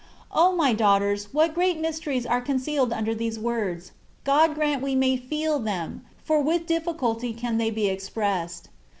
O MY daughters, what great mysteries are con cealed imder these words ! God grant we may feel them, for with difficulty can they be ex pressed.